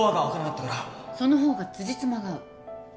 その方がつじつまが合う。